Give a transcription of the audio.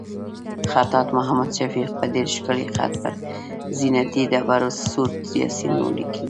خطاط محمد شفیق په ډېر ښکلي خط پر زینتي ډبرو سورت یاسین ولیکلو.